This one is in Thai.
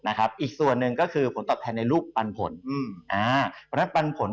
อีกส่วนนึงก็คือผลตอบแทนในลูกปันผล